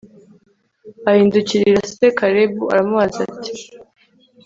ahindukirira se; kalebu aramubaza ati